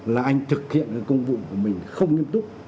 là anh thực hiện công vụ của mình không nghiêm túc